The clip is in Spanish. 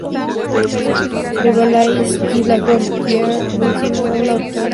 Rabelais y La Fontaine no tienen un autor identificado.